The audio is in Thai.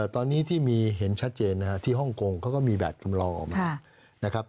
ตอนนี้ที่เห็นชัดเจนที่ฮ่องกงเขาก็มีแบบจำลองออกมา